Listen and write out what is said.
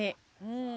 うん。